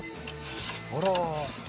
あら。